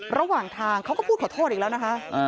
ระหว่างทางเขาก็พูดขอโทษอีกแล้วนะคะ